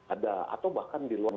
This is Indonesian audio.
ada atau bahkan di luar